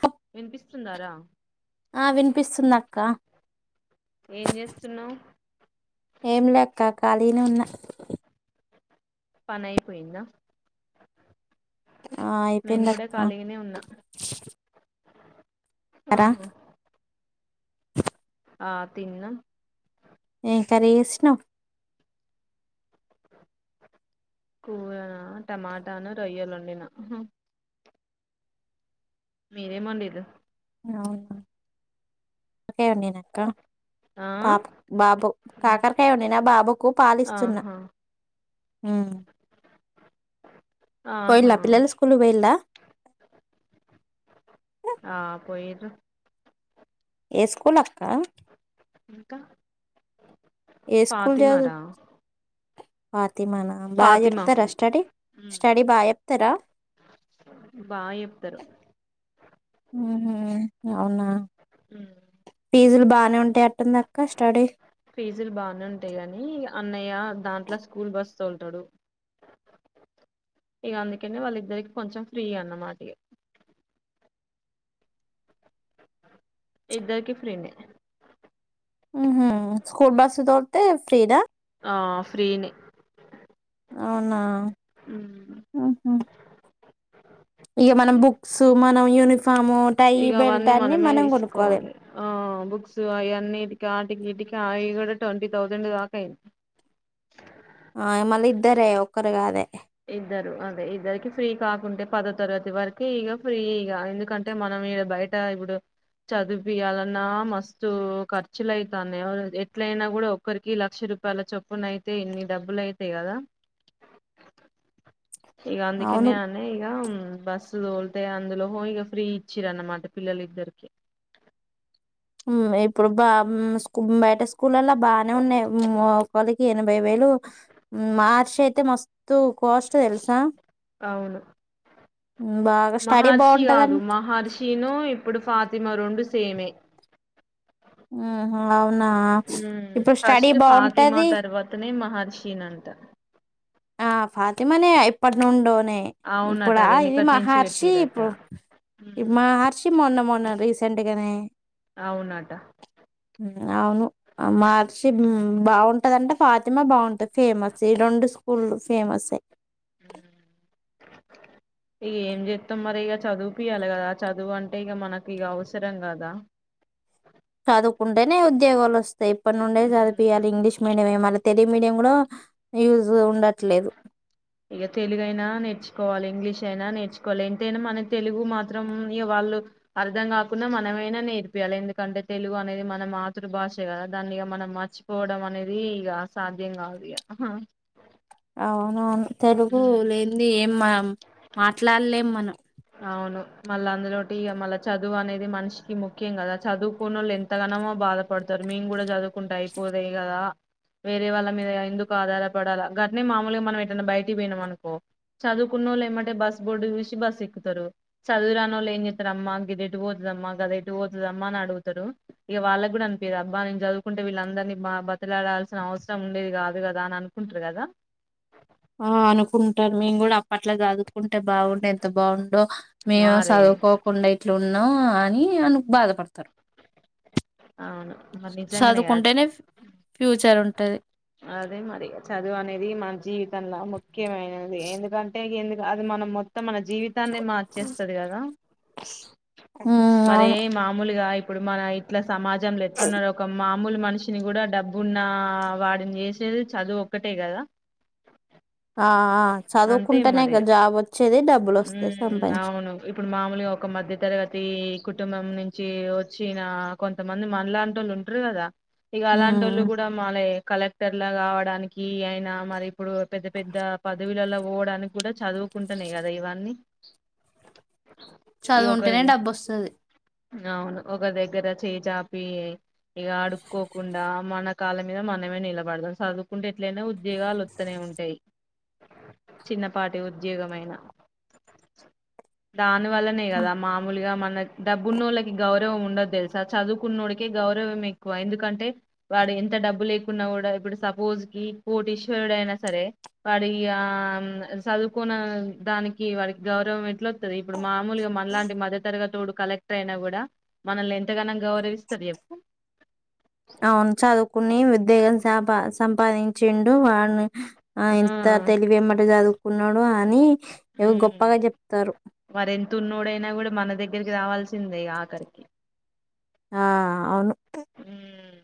హ వినిపిస్తుందారా ఆ వినిపిస్తుంది అక్క ఏం జేస్తున్నావు ఏం లె అక్క ఖాళీనె ఉన్నా పనయిపోయింద ఆ అయిపోయిందక్క ఆహ ఆ తిన్న ఎమ్ కర్రీ చేసినవ్ కూరనా టమాటాను రొయ్యలొండిన మీరేమ్ వండిండు అవును ఓకే అండి నేనింక ఆ పాప్ బాబు ఉమ్, కాకరకాయ వండినా బాబుకు పాలిస్తున్న ఆహా ఆహా పోయిలా పిల్లలు స్కూల్ పోయిల్లా న ఏ స్కూల్ అక్క ఇంక ఏ స్కూల్ ఫాతిమరా తి మనా బాగా చెప్తరా స్టడీ స్టడీ బాగా చెప్తరా బాగా చెప్తారు ఊహు అవునా ఉమ్. ఫీజులు బానె ఉంటయి అట్టుంది అక్క స్టడీ అన్నయ దాంట్లో స్కూల్ బస్ తోల్తాడు ఇక అందుకెని వాళ్ళిద్దరికి కొంచెం ఫ్రీ అన్నమాట ఇద్దకి ఫ్రీ నె ఊహుమ్ స్కూల్ బస్సు దోడ్తే ఫ్రీద ఆ ఫ్రీ నె అవునా మ్ ఉహు ఇగ మనం బుక్స్ మనవి యూని ఇగ అవన్నీ మనమే కొనుక్కోవాలి తీసుకోవాలి ఆ బుక్స్ అవన్నీ కీటికియి కూడా కూడా ట్వంటీ తౌసండ్ ఇకా ఆ ఇ మళ ఇద్దరే ఒక్కరి గ అదే ఇద్దరు అదే ఇద్దరికి ఫ్రీ కాకుంటే పదో తరగతి వరకు ఇగ ఫ్రీ ఇ ఎందుకంటే మనం ఇగ బయట ఇప్పుడు చదివు పయాలన్నా మస్తు ఖర్చులు అవుతాన్నాయి ఎట్లయినా కూడా ఒక్కరికి లక్ష రూపాయల చొప్పున అయితే ఇన్ని డబ్బులు అయితాయి కదా ఇగ అందుకనే అవును అనే ఈ బస్సు తోలితే అందులో ఇగ ఫ్రీ ఇచ్చిరన్నమాట పిల్లలి ఇద్దరికి ఇప్పుడు బా బయట స్కూల్ల్లా బానే ఉన్నాయి ఒకరికి ఎనభై వేలు మార్చి అయితే మ తూ కాస్ట్ తెలుస అవును మహర్షి కాదు మహర్షిను ఇప్పుడు ఫాతిమ రెండు సేమే ఊహు ఫస్ట్ ఫాతిమా బాగుంటది తర్వాతనే మహర్షినింట ఆ ఫాతిమనే ఇప్పటి నుండో నే అవునట ఇప్పుడా అది ఇది వెనకటి నుంచి మహర్షి పెట్టిరట ఇప్పుడు ఉమ్, మహర్షి మొన్న మొన్న రీసెంట్ గానే అవునట అవును మార్చి ఉం బావున్ టదంటే ఫాతిమా బావుంటది ఫేమస్ ఈ రెండు ఫుల్లు ఫేమస్సే ఇగ ఏం చేత్తం మరి ఇక చదువుపియ్యాలి కదా చదువు అంటే ఇగ మనకిగ అవసరం కదా చదువుకుంటేనే ఉద్యోగాలు వస్తాయి ఇప్పటి నుండే ఉమ్. చదివిపియ్యాలి ఇంగ్లీష్ మీడియం ఏ మల్ల తెలుగు మీడియం కూడా యూజ్ ఉండట్లేదు ఇగ తెలుగైనా నేర్చుకోవాలి ఇంగ్లీష్ అయినా నేర్చుకోవాలి ఎంతైనా మన తెలుగు మాత్రం ఇక వాళ్ళు అర్థం కాకున్నా మనమైనా నేర్పియ్యాలి ఎందుకంటే తెలుగు అనేది మన మాతృభాష కదా దాన్నిగ మనం మర్చిపోవడం అనేది ఇగ సాధ్యం కాదిగ అవును అను తెలుగు లేనిది ఏం మనం మాట్లాడలేం మనం అవును మళ్ళా అందులోటి మళ్ళా చదువు అనేది మనిషికి ముఖ్యం కదా చదువుకున్నోళ్ళు ఎంతగానమో బాధపడతారు మేము కూడా చదువుకుంటూ అయిపోతయి కదా వేరే వాళ్ళ మీద ఎందుకు ఆధారపడాల గట్నే మామూలుగా మనం బయటకి పోయినాం అనుకో చదువుకున్నోళ్ళు ఏమ్మటే బస్సు బోర్డు చూసి బస్సె కుతరు చదువురానోళు ఏం చేత్తారు అమ్మా గది ఎటు పోతుదమ్మా గదెటు పోతుదమ్మా అని అడుగుతారు ఇగ వాళ్ళకి కూడా అనిపియ్యది అబ్బా నేను చదువుకుంటే వీళ్ళందరినీ బా బతిలాడాల్సిన అవసరం ఉండేది కాదు కదా అని అనుకుంటారు కదా ఆ అనుకుంటారు మేం కూడా అప్పట్లో కాదు ఉంటే బావుండే ఎంత బావుండో మేము మారే చదువుకోకుండా ఇట్లున్ న్నూ అని అనుకు బాధపడతారు అవును మరి నిజంగానే కదా చదువుకుంటేనే ఫ్యూచరున్ టది అదే మరి చదువు అనేది మన జీవితంల ము ఖ్యమైనది ఎందుకంటే గి ఎందు రాదు మనం మొత్తం మన జీవితాన్నే మార్చేస్తది కదా ఉమ్ మరే అవును మామూలుగా ఇప్ ఇప్పుడు మన ఇట్లా సమాజంలో ఎట్లున్నారు ఒకమ్మా మామూలు మనిషిని కూడా డబ్బు ఉన్న వాన్ న్ని చేసేది చదువు ఒక్కటే కదా ఆ అ చదువుకుంటేనే కదా జాబ్ వచ్చేది డబ్బులు ఉ వస్తాయి సంపాదించు అవును ఇప్పుడు మామూలుగా ఒక మధ్య తరగతి కుటుంబం నుంచి వచ్చిన కొంతమంది మనలాంటోళ్లు ఉంటారు కదా ఈగ అలాంటోళ్ళు ఉమ్ కూడా మాలే కలెక్టర్ లా కావడానికి అయినా మరి ఇప్పుడు పెద్ద పెద్ద పదవులల్ల పోవడానికి కూడా చదువుకుంటునే కదా దా యివన్ని చదువు ఉంటేనే డబ్బు వస్తది అవును ఒక దగ్గర చేచాపి ఇక అడుక్కోకుండా మన కాల్ల మీద మనమే నిలబడదాం చదువుకుంటే ఎట్లయినా ఉద్యోగాలు వత్తనే ఉంటాయి చిన్నపాటి ఉద్యోగమైన దాను వల్లనే కదా మామూలుగా మన్ నక్ డబ్బున్నోళ్ళకి గౌరవం ఉండదు తెలుసా చదువుకున్నోడికి గౌరవం ఎక్కువ ఎందుకంటే వాడు ఎంత డబ్బు లేకున్నా కూడా ఇప్పుడు సపోజ్ కి కోటిశ్వరుడు అయినా సరే వాడి యి ఆ చదువుకొన దానికి వాడికి గౌరవంమెట్లో తది ఇప్పుడు మామూలుగా మనలాంటి మద్య తరగా తోడు కలెక్టర్ అయినా కూడా మనల్ని ఎంతగానం గౌరవిస్తారు చెప్పు కొన్ని ఉద్యోగం సంపా సంపాదించిండు వాని ఆ ఎంత తెలివేమ్మటీ చదు కున్నడు అని ఎవో గొప్పగా చెప్తారు తున్నోడైనా కూడా మన దగ్గరికి రావాల్సిందేగ ఆఖరికి ఆ అవును ఉమ్.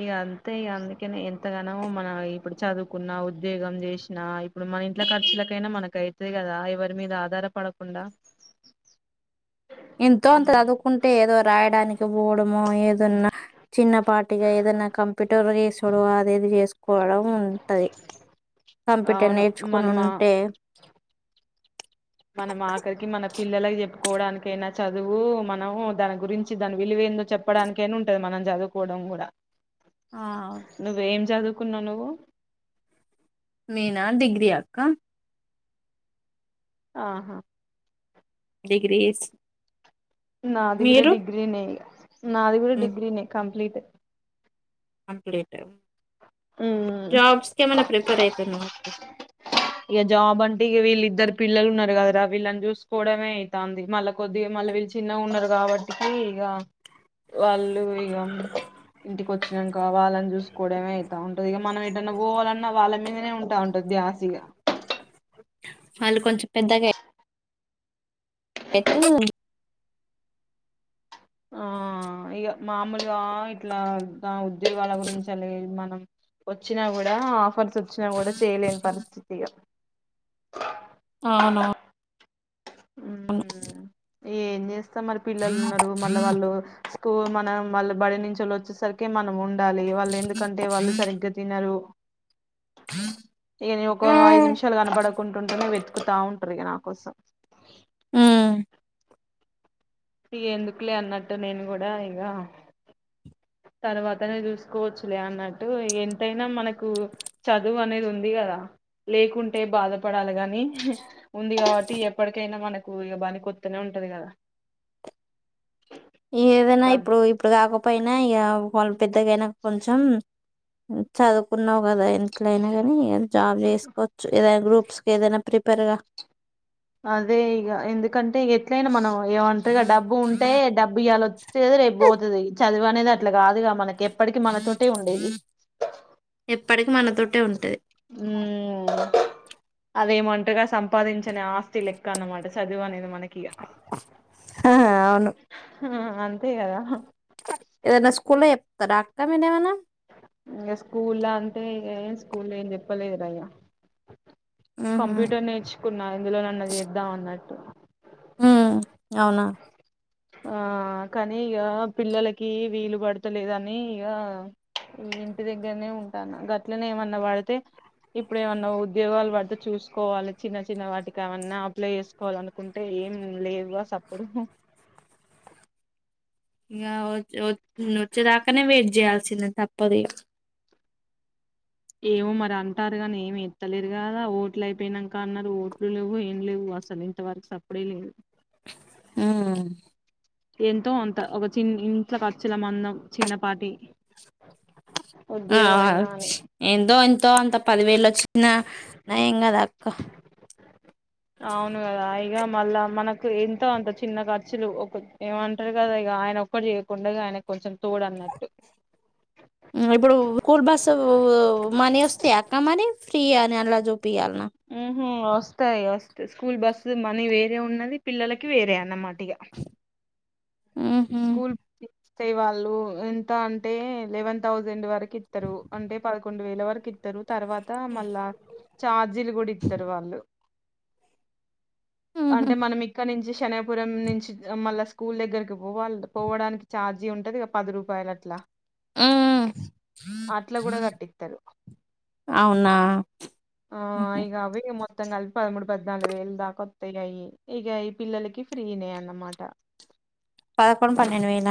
ఇగ అంతే ఇగ అందుకనే ఎంతగనమో మన ఇప్పుడు చదువుకున్నా ఉద్యోగం చేసినా ఇప్పుడు మన ఇంట్ల ఖర్చులకైనా మనకైతది కదా ఎవరి మీద ఆధారపడకుండా ఎంతో అంత చదువుకుంటే ఏదో రాయడానికి పోవడమొ ఏదోన్నా చిన్న పా టిగా ఏదైనా కంప్యూటర్ చేసుడు అది ఇది చేసుకోవడం ఉంటది కంప్యూటర్ అవును నేర్చుకుని మనమా ఉంటే మనం ఆఖరికి మన పిల్లలకి చెప్పుకోవడానికైనా చదువు మనం దాని గురించి దాని విలువేందో చెప్పడానికైనా ఉంటది మనం చదువుకోవడం కూడా ఆ నువ్వేం చదువ్ కున్నావ్ నువ్వు నేనా డిగ్రీ అక్క ఆహా డిగ్రీస్ నాది గూడ డిగ్రినే ఇగ నాది కూడా హ్మ్. డిగ్రీనే కంప్లీట్. ఇప్పుడే ఉమ్ జాబ్స్ కేమన్నా ప్రిపేర్ అయి ధను ఒక్కడు ఇక జాబ్ అంటే ఇక వీళ్ళ ఇద్దరు పిల్లలు ఉన్నారు కదరా వీళ్ళని చూసుకోవడమే, ఐతాంది మళ్ళా కొద్దిగా మళ్ళీ వీళ్ళు చిన్నగా ఉన్నారు. కాబట్టికి ఇగ వాళ్ళు ఇగ ఇంటికి వచ్చినాక వాళ్ళని చూసుకోవడమే ఐతా ఉంటది. ఇక మనం ఏటన్నా పోవాలన్నా వాళ్ళ మీదనే ఉంటా ఉంటంది ద్యాసిగా వాళ్ళు కొంచెం పెద్దగయ్ ఎత్తు ఆ ఇక మామూలుగా ఇట్లా ఉద ఉద్యోగాల గురించి లేదు. మనం వచ్చినా కూడా ఆఫర్స్ వచ్చినా కూడా చేయలేని పరిస్థితి ఇగ. అవునవును అవును ఎంజేస్ తమరి పిల్లలు ఉన్నరు మళ్ళ వాళ్ళు స్కూల్ మనం వాళ్ళు బడి నుంచి వచ్చేసరికి మనం ఉండాలి. వాళ్ళు ఎందుకంటే వాళ్ళు సరిగ్గా తినరు. ఇగ నేను ఒక ఐదు నిమిషాలు కనపడకుంటుంటేనే వెతుకుతా ఉంటారు ఇగ నా కోసం. హ్మ్. ఎందుకులే అన్నట్టు నేను కూడా ఇగ తర్వాతనే చూసుకోవచ్చులే అన్నట్టు ఇగ ఎంతైనా మనకు చదువు అనేది ఉంది కదా, లేకుంటే బాధపడాలి గానీ ఉంది. కాబట్టి ఎప్పటికైనా మనకు ఇగ బని కొత్తనే ఉంటది కదా. ఏదైనా డబ్బు ఇప్పుడు ఇప్పుడు కాకపో నా ఇక వాళ్ళ పెద్దగైనా కొంచెం చదువుకున్నావు కదా ఎట్లయినా కాని ఇ జాబ్ చేేసుకోవచ్చు ఏదైనా గ్రూప్స్ ఏదైనా ప్రిపేర్గా అదే ఇగ ఎందుకంటే ఇగ ఎట్లయినా మనం ఏంటరిగా డబ్బు ఉంటే, డబ్బు ఇయాలోచ్చేది రేపు పోతది. చదువు అనేది అట్లా కాదుగా మనకి ఏప్ [unintelligible] ఎప్పటికి మనతోటే ఉంటది. ఊమ్ అదేమంటగా సంపాదించని ఆస్తి లెక్క అనమాట చదువు అనేది మ మనకిగా ఆ! హ్ హ అంతే కదా. ఏదనా స్కూల్లో చెప్తారా, అక్క మీర ఏమైన్నా. ఇంక స్కూల్ అంటే, ఇక స్కూల్ ఏం చెప్పలేదుయ్యా. హుహు. కంప్యూటర్ నేర్చుకున్నా, ఇందులో నన్ను చేద్దాం అన్నట్టు. ఉ అవునా ఆ కానీ ఇక పిల్లలకి వీలు పడతలేదని ఇక ఇంటి దగ్గరనే ఉంటాను. గట్లనే ఏమన్నా పడితే ఇప్పుడు ఏమన్నా ఉద్యోగాలు పడితే చూసుకోవాలి. చిన్న చిన్న వాటికి ఏమన్నా అప్లై చేసుకోవాల అనుకుంటే ఏం లేదు సప్పుడు ఇక వచ్చేదాకానే వెయిట్ చేయాల్సిందే తప్పదు. ఏమో మరి అంటారు. కానీ ఏమి ఎత్తలేరు కదా ఓట్లు అయిపోయినాక అన్నారు ఓట్లు లేవు ఏం లేవు. అసలు ఇంతవరకు సప్పుడే లేదు. ఆ ఎంతో అంత ఒక చిన్న ఇంట్లో ఖచ్చల మందం చిన్నపాటి ఆ ఉద్యోగమైనా అని ఏందో ఎంతో అంత పదివేలు వచ్చిన నయం కదా అక్క. అవునుదాయి ఇ మళ్ళా మనకు ఎంతో అంత చిన్న ఖర్చులు ఏమంటారు కదా. ఇక ఆయన ఒక్క చేయకుండా ఆయన కొంచెం తోడు అన్నట్టు ఇప్పుడు స్కూల్ బస్సు మనీ వస్తాయ అక్క మరీ ఫ్రీయా అని అలా చూపియాల ఉ హు వస్తాయి వస్తాయి స్కూల్ బస్సు మనీ వేరే ఉన్నది పిల్లలకి వేరే అన్నమాట టిగా ఉహు స్కూల్ వచ్చే వాళ్ళు ఎంత అంటే ఎలెవెన్ థౌసండ్ వరకు త్తరు అంటే పదకొండు వేల వర త్తరు తర్వాత మళ్ళా చార్జీలు కూడా ఇత్తరు వాళ్ళు ఉహు అంటే మనం ఇక్కడి నుంచి శనగపురం నుంచి మళ్ళా స్కూల్ దగ్గరికి పోవాల పోవడానికి ఛార్జీ ఉంటది ఇగా పది రూపాయలు అట్లా ఉ అట్ల కూడా కట్టిత్తరు అవునా ఆ ఉహు ఇగా అవ్వి మో మొత్తం కలిపి పదమూడు పద్నాలుగు వేలు దాక అత్తయి నాయి ఇక ఈ పిల్లలకి ఫ్రీనే అన్నమాట పదకొండు పన్నెండు వేల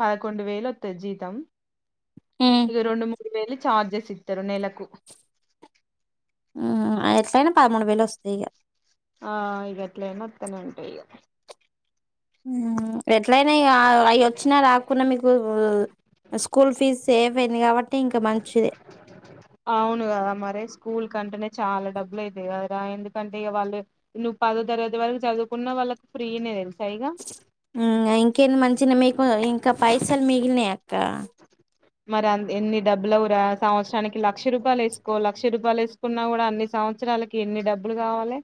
పదకొండు వేలు వత్తది జీతం ఇగా రెండు మూ వేల చార్జెస్ ఇత్తరు నెలకు ఆ ఎట్లయినా పదమూడు వేలు వస్తాయి ఇగా ఆ ఇగా ఎట్లయినా అత్తనే ఉంటాయి ఇగా ఉ ఎట్లయినా అవి వచ్చినా రాకుండా మీకు స్కూల్ ఫీజ్ సేఫ్ అయింది కాబట్టి ఇంకా మంచిది అవును కదా మరి స్కూల్ కంటేనే చాలా డబ్బులు అయితాయి కదరా ఎందుకంటే ఇక వాళ్ళు నువ్వు పదో తరగతి వరకు చదువుకున్న వాళ్ళకి ఫ్రీనే తెలుసు ఇగా ఉమ్ ఇంకేంది మంచినే మీకు ఇంకా పైసలు మిగిలినయి అక్క మరి అ ఎన్ని డబ్బులు అవ్వు రా సంవత్సరానికి లక్ష రూపాయలు వేసుకోి లక్ష రూపాయలు వేసుకున్నా కూడా అన్ని సంవత్సరాలకి ఎన్ని డబ్బులు కావాలే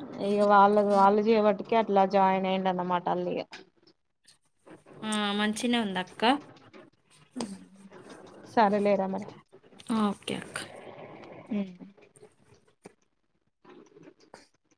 అ ఇగా వాళ్ళది వాళ్లు చేయవట్టి అట్లా జాయిన్ అయ్యిండు అన్నమాట అళ్ల ఇగా ఆ మంచిినే ఉంది అక్క సరేలేరా మరి ఆ ఓకే అక్క ఉ